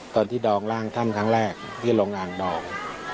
ตอนที่ดองร่างท่านครั้งแรกที่ลงอ่างดอง